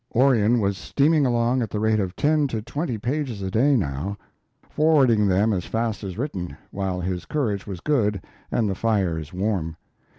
Onion was steaming along at the rate of ten to twenty pages a day now, forwarding them as fast as written, while his courage was good and the fires warm.